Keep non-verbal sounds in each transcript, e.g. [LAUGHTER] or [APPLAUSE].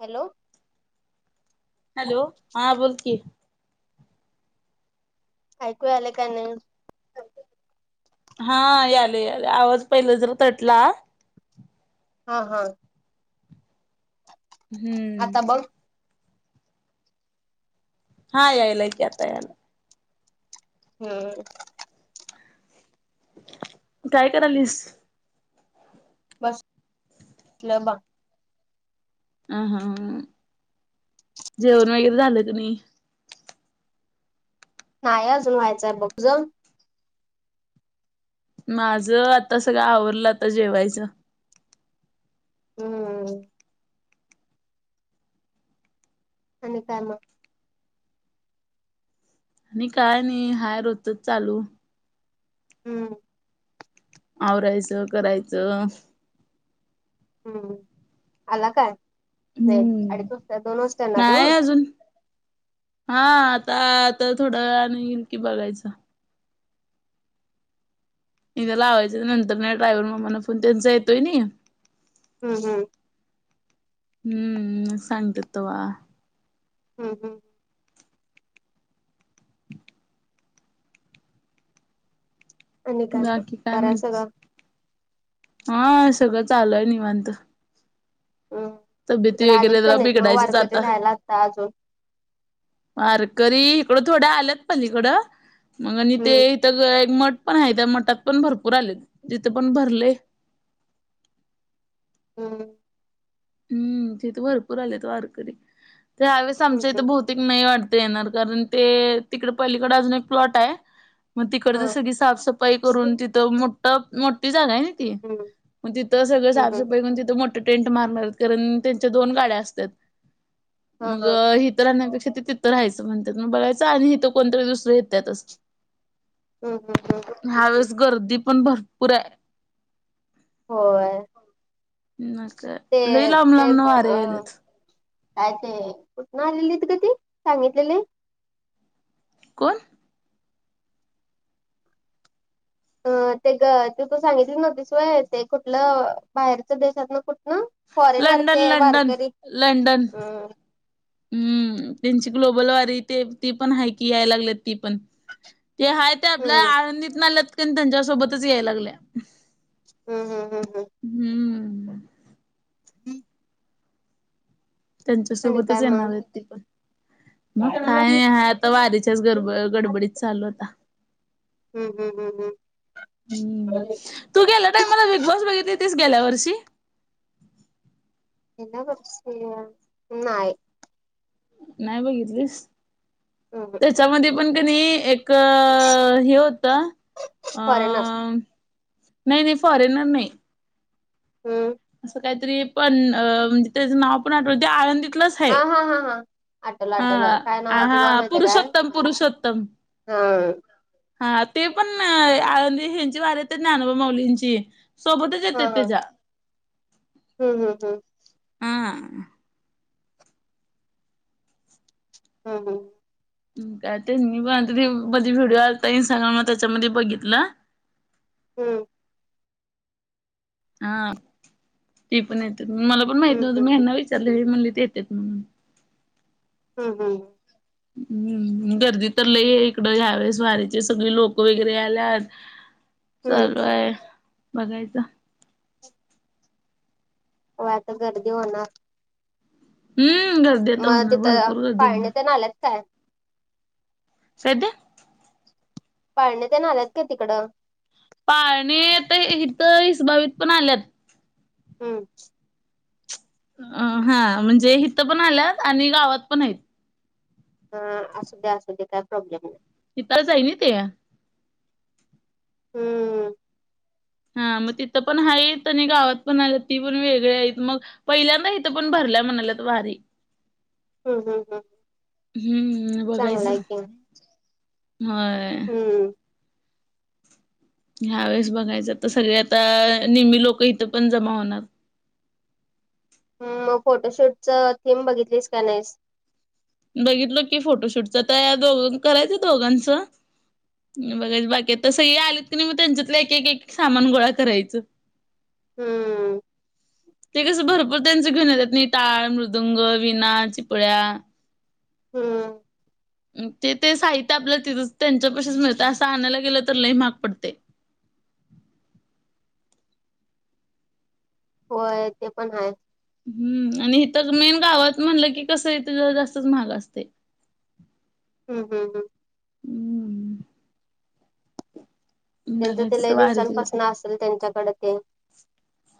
Hello hello हा बोलकी. ऐकू याल का नई? हा यालय यालय आवाज पहिलज रु तटला. हा हा. हम्म. आता बघ हा यायलाय की आता यायला. हम्म. काय करालीस. बसलं बग. [UNINTELLIGIBLE] अ हा जेवण वगैरे झालं क नई? नाइ अजून व्हायचंय बग जावु [UNINTELLIGIBLE] माज आता सगळं आवरलं आताजेवायचं. हम्म. आणि काय मग? णि काय नई हाय रोजचच चालू. हम्म. आवरायचं करायचं. हम्म आला काय नही [UNINTELLIGIBLE] अडीच हम्म वाजता दोन वाजता तु. नाही अजून हा आता तो थोड्या वेळान इन की बघायचं. [UNINTELLIGIBLE] इथ लावायचं नंतर ना ड्रायव्हर माला फोन त्यांचा येतोय नाही. हम्म हम्म. हम्म हम्म सांगतात तवा. हम्म हम्म. आणि मग बाकी काय बरं आहे म्हणतीस सगळं आ सगळं चालुय निवांत. अम्म तब्येती तिकड वगैरे आलेच का जरा नाहीत म बिघडायचीच वारकरी आता राहयला असता अजून. वारकरी इकडं थोड आल्यात पलीकडं मंगआणि ते हम्म ते ग एक मट पण हाय त्या मटात पण भरपूर आलेत तिथ पण भरलय. हम्म. अम्म तिथ भरपूर आल्यात वारकरी यावेळेस हम्म आमच्या इथे हम्म भुत तेक नाही वाढते येणार कारण ते तिकडे पहिलीकडे अजून एक प्लॉट हाय. म हा तिकडची सगळी साफसफाई करून तिथ मोठ्ठ मोठ्ठी जागा हाय नी. ती हम्म म तिथ सगळं हम्म हम्म साफसफाई करून तिथं मोठ टेंट मारणार. कारण त्यांच्या दोन गाड्या असत्यात हा मग हा अ ही इतरांना कशे तीथ राहायचं म्हणात्यात म बाळायच आणि हित कोणतरी दुसरी होत्यातच. हम्म हम्म हम्म. ह्या वेळेस गर्दी पण भरपूर अय. होय न का ते लई लांब ते लांब ब न वारे अ. यायलेत. काय ते कुटन आलेलीत ग ती सांगितलेले. कोण? अ ते ग तू तू सांगितली नव्हतीस वय ते कुटन बाहेरच देशात ना? फॉरेनर लंडन ते लंडन वारकरी लंडन अम्म हम्म त्यांची ग्लोबल वारी ते ती पण हाय की याय लागलेत. ती पण ते हाय ते आपल्या हम्म आळंदीतन आल्यात कण त्यांच्यासोबतच याय लागल्या. हम्म हम्म. हम्म हम्म. हम्म [UNINTELLIGIBLE] आणि काय त्यांच्यासोबतच मग येणार ते पण मग हम्म काय आहात. वारीच्याच गरब गडबडीत चालू होता. हम्म हम्म हम्म हम्म. तू गेला टाई मला बिग बॉस बघितली ती गेल्या वर्षी. ते ना‌ बसूया नाही नाही बघितलीस हम्म त्याच्यामध्ये पण कणी एक हे होतं फाॅरेनस. नाही- नाही फॉरेनर नाही. हम्म असं काहीतरी पण अ म्हणजे त्याचं नाव पण आठवते आळंदीतलंच. आहे हा- हा -हा- हा आटवलं हा आटवलं काय नाव आ, आहे तेझा हा माहिती काय? पुरुषोत्तम पुरुषोत्तम हा.. हा ते पण आळंदी हेंची वारी येत्या ज्ञानोबा माऊलींची. सोबतच हा येतेत हा तेच्या. हम्म -हम्म- हम्म आ. हा हा-हा- हा काय ते मी पण ते मधी व्हिडिओ आता इंस्टाग्रामला त्याच्यामध्ये बघितल. हम्म आ ती पण येत्यात मला पण माहित हम्म हम्म नव्हतं मी हेंना हम्म विचारल म्हणली ते येत्यात म्हणून. हम्म -हम्म हम्म गर्दी तर लई हाय इकडं ह्यावेळेस वारीचे सगळी लोक वगैरे आल्यात. हम्म चालू आय बघायचं. होय आता गर्दी होणार. हम्म गर्दी आता होणार भरपूर गर्दी होणार. [UNINTELLIGIBLE] लंत काय? काय ते? पाळणे तेन आल्यात काय तिकडं? पाळणे आता इथं हिसबावित पण आल्यात. हम्म अ हा म्हणजे इथ पण आल्यात आणि गावात पण आहेत. हा असू दे असू दे काय प्रॉब्लेम नाही. ईथाच हाईनी ते. हम्म हा मग तिथं पण आहेत आणि गावात पण आल्यात ती पण वेगळी आहेत मग पहिल्यांदा इथं पण भरल्या म्हणाल्यात वारी. हम्म -हम्म- हम्म हम्म चांगला बघायचं, आहे की. व्हय. हम्म ह्या वेळेस बघायचं आता सगळी आता नेहमी लोक इथं पण जमा होणार. [INAUDIBLE] हम्म, मग फोटोशूटचं थीम बघितलीस का नाहीस? बघितलो की फोटोशूटच तया -दोघ करायचंय दोघांचं. बघायच बाकी आता सगळी आलीत कनी मग त्यांच्यातलं एक- एक-एक सामान गोळा करायचं. हम्म [INAUDIBLE] ते कसं भर भरपूर त्यांच घेऊन येतात नि टाळ, मृदुंग, विना, चिपळ्या. हम्म ते -ते साहित्य आपल्या तिथंच त्यांच्या पशीच मिळतंय असं आणायला गेलं तर लय महाग पडतय. होय ते पण हाय. हम्म आणि इथं मेन गावात म्हणलं की कसं इथ जरा जास्तच महाग असतय. हम्म -हम्म -हम्म हम्म त्यांच ते बघायचं तर लय वारीच दिवसांपासन असेल त्यांच्याकडे ते.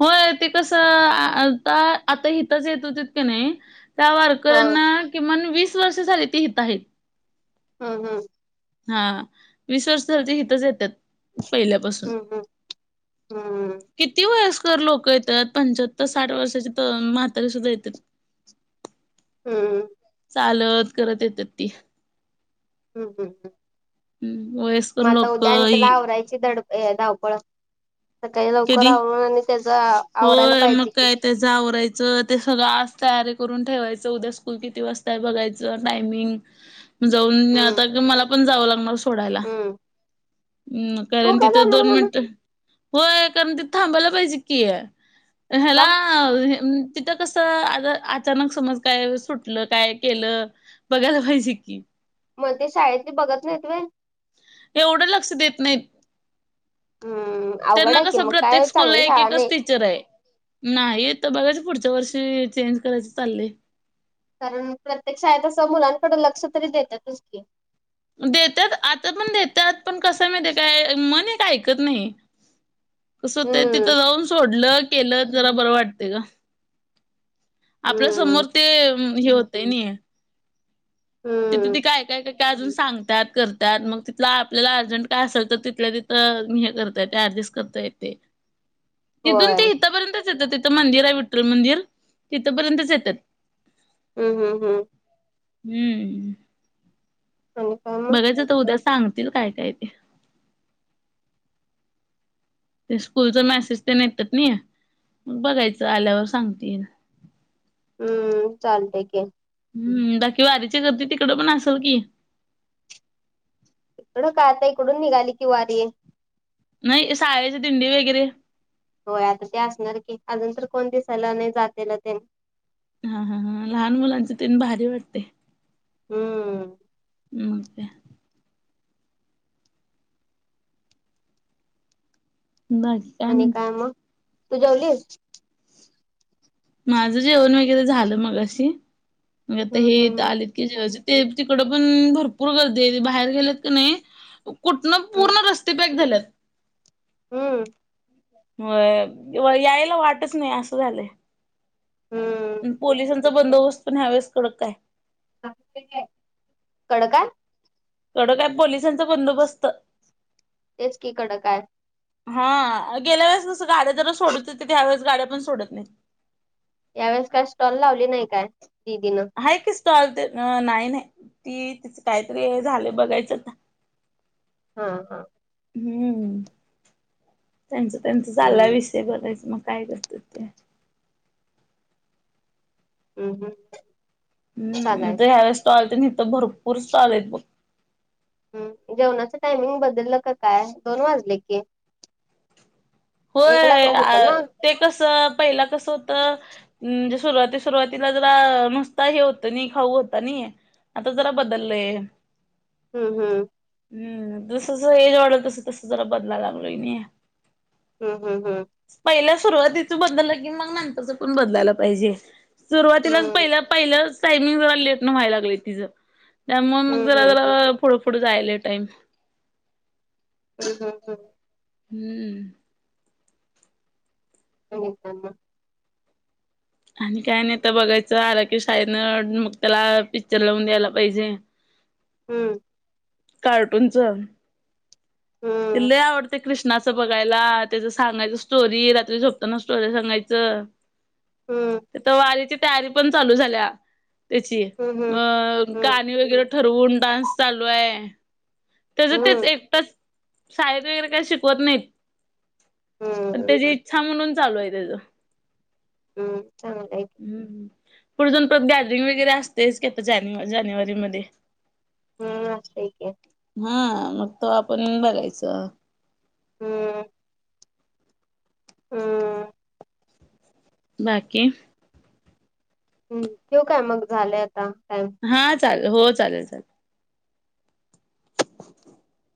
होय ते कसं आता- आता हितच येत होतित कने, त्या हा वारकऱ्यांना किमान वीस वर्ष झाली ते हित आहेत. हम्म हम्म. हा हा वीस वर्ष झाल ते हितच येतात पहिल्यापासून. हम्म हम्म हम्म किती वयस्कर लोक येतात पंच्याहत्तर, साठ वर्षाची तर म्हातारी सुद्धा येतात. हम्म हम्म चालत करत येत्यात ती. हम्म हम्म हम्म वयस्कर लोक ई ड धावपळ सकाळी लवकर कधी आवरून आणि त्याचा आवरायला होय मग पाहिजे कि. काय त्याच आवरायचं ते सगळं आज तयारी करून ठेवायचं उद्या स्कूल किती वाजता आहे बघायचं टायमिंग जाऊन हम्म आता मला पण जावं लागणार सोडायला. हम्म हम्म तू कारण का तिथं जाणार दोन म्हण मिनिट होय कारण तिथ थांबायला पाहिजे की. हेला का तिथं कस आ अचानक समज काय सुटलं काय केलं बघायला पाहिज की. मग ते शाळेतली बघत नाहीत होय. एवढं लक्ष देत नाहीत. हम्म हम्म अवघड त्यांना आहे की कसं मग प्रत्येक काय स्कूलला चांगली एक शाळा एकच नाही टीचर हाय. नाही तर बघायचं पुढच्या वर्षी चेंज करायचं चाललंय. कारण प्रत्येक शाळेत कसं मुलांकड लक्ष तरी देतातच की देतात आता पण देतात पण कसं नाही काय मण एक ऐकत नाही. स्वतः ते हम्म तिथं जाऊन सोडलं केलं जरा बरं वाटतयं ग. आपल्या हम्म समोर ते हे होतय नि. तिथं हम्म ते काय काय काय ते अजून सांगतात करात मग तिथ आपल्याला अर्जंट काय असेल तर तिथल्या तिथं हे करत्यात अडजेस्ट करता येत तीथून होय ते इथपर्यंत तिथं मंदिर आहे विठ्ठल मंदिर तिथंपर्यंतच येत्यात. हम्म हम्म हम्म हम्म हो बघायचं तर उद्या सांग तिथं काय काय ते ते स्कूलचा मेसेज ते येतात नाही मग बघायचं आल्यावर सांगतील. हम्म चालतय की. हम्म बाकी वारीची गर्दी तिकड पण असल की. खर काय आता इकडून निघाली की वारी. नाही शाळेचे दिंडी वगैरे होय आता ते असणार की अजून तर कोण दिसायला नाही जातेल तेन. हा हा हा लहान मुलांच तेन भारी वाटतयं. हम्म मग त्या बस आणि काय मग तू जेवलीस. माझं जेवण वगैरे झालं मघाशी मी आता हे हम्म इथ हम्म आली जे ते तिकड पण भरपूर गर्दी बाहेर गेलेत क नाही कुठनं हम्म पूर्ण रस्ते पॅक झाल्यात. हम्म व्हय यायला वाटच नाही असं झालंय. हम्म पण पोलिसांचा बंदोबस्त पण ह्यावेळेस कडक काय. कडं काय? कडक हाय, पोलिसांचा बंदोबस्त. तेच की कडक काय. हा, गेल्या वेळेस कसं गाड्या जरा सोडत होते, ते त्यावेेळेस गाड्या पण सोडत नाही. यावेेळेस काय स्टॉल लावली नाही काय दिदीनं? आहे की स्टॉल ते, नाय नाय ती तिच काहीतरी झालय बघायचं आता. [INAUDIBLE] हा हा हम्म. त्यांचं त्यांचं हम्म चाललाय विष ते बरंयच, मग काय करत ते? म हम्म हम्म, चालाय त ह्यावेळीस स्टॉल तर हिथं भरपूर स्टॉल आहेत बघ. हम्म, जेवणाचं टायमिंग बदललं का काय? दोन वाजले की. एक ला होय, होत ना ते कसं पहिला कसं होतं म म्हणजे सुरुवाती सुरुवातीला जरा नुसता हे होतं नाय खाऊ होता नाय. आता जरा बदललंय‌. हम्म हम्म हम्म, जसं जसं एज वाढल तसं तसं जरा बदला लागलोय नि. हम्म हम्म हम्म पहिल्या सुरुवातीचं बदललं की मग नंतरच पण बदलायला पाहिजे, सुरुवातीलाच पहिल्या पहिल्याच टाईमिंगला लेट न व्हायला लागलंय तिच, त्यामुळं मग हम्म जरा हम्म जरा पुढं पु पुढं जायलय टाईम. हम्म हम्म हम्म [UNINTELLIGIBLE] आणि काय नाही, आता बघायचं आला की शाळतनं मग त्याला पिक्चर लावून द्यायला पाहिजे. हम्म कार्टूनचं त्याला हम्म लय आवडतंय. कृष्णाचं बघायला, त्याचं सांगायचं स्टोरी रात्री झोपताना स्टोऱ्या सांगायचं. हम्म आता वारीची तयारी पण चालू झाल्या. त्याची, हम्म हम्म अ हम्म गाणी वगैरे ठरवून डान्स चालू आहे. त्याचं हम्म तेच हम्म एकटाच, शाळेत वगैरे काही शिकवत नाहीत. अन हम्म त्याची इच्छा म्हणून चालू आहे त्याचं. हम्म, चांगला आहे की. हम्म हम्म, पुढं जाऊन परत गॅद्रिंग वगैरे असतेच कि, आता जानेव जानेवारी मध्ये. हम्म, असतंय की. हा मग तो आपण बघायचं. हम्म हम्म बाकी? हम्म, ठेऊ काय मग? झालंय आता टायम. हा चालेल, हो चालेल चालेल. [INAUDIBLE]